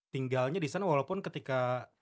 tinggalnya disana walaupun ketika